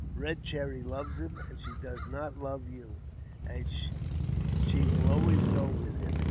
Eed Cherry loves him, and she does not love you ; she will always go with him.